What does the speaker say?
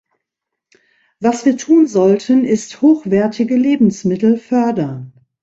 Was wir tun sollten ist hochwertige Lebensmittel fördern.